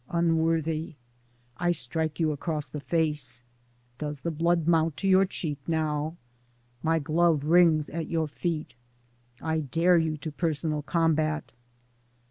Unworthy ! I strike you across the face ; does the blood mount to your cheek now ? my glove rings at your feet : I dare you to personal combat.